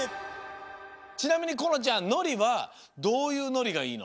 ちなみにこのちゃんのりはどういうのりがいいの？